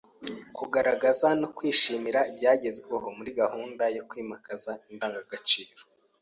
Kugaragaza no kwishimira ibyagezweho muri gahunda yokwimakaza indangagaciro